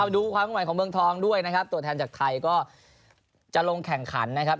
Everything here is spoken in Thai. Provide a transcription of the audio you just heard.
ดูความขึ้นไหวของเมืองทองด้วยนะครับตัวแทนจากไทยก็จะลงแข่งขันนะครับ